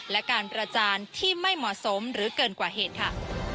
และการประจานที่ไม่เหมาะสมหรือเกินกว่าเหตุค่ะ